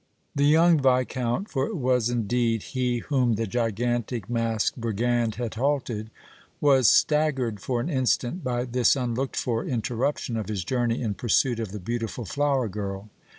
The young Viscount, for it was, indeed, he whom the gigantic masked brigand had halted, was staggered for an instant by this unlooked for interruption of his journey in pursuit of the beautiful flower girl.